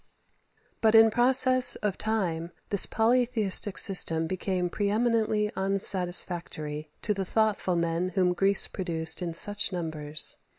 But in process of time this polytheistic system became pre eminently unsatisfactory to the thoughtful men whom Greece produced in such numbers.